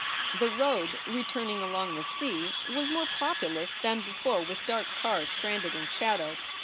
The road, returning along the sea, was more populous than before with dark cars stranded in shadow.